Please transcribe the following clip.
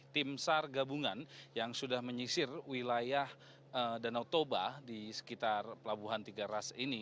tim sar gabungan yang sudah menyisir wilayah danau toba di sekitar pelabuhan tiga ras ini